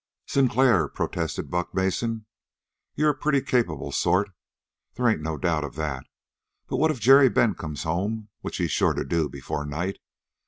"Sinclair," protested Buck Mason, "you're a pretty capable sort. They ain't no doubt of that. But what if Jerry Bent comes home, which he's sure to do before night?